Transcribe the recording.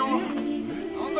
何だ